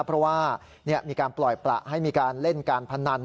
เพราะว่ามีการปล่อยประให้มีการเล่นการพนัน